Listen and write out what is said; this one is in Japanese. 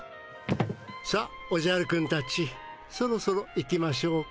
さあおじゃるくんたちそろそろ行きましょうか。